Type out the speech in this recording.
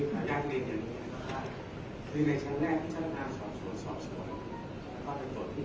เพราะว่าเมื่อเติมเชิงกับประโยชน์ถามว่าตามมาได้ดี